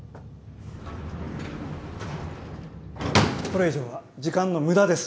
これ以上は時間の無駄ですので。